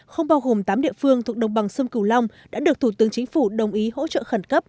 không bao gồm tám địa phương thuộc đồng bằng sông cửu long đã được thủ tướng chính phủ đồng ý hỗ trợ khẩn cấp